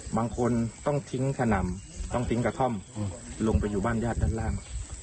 บางคนต้องทิ้งขนำต้องทิ้งกระท่อมลงไปอยู่บ้านญาติด้านล่าง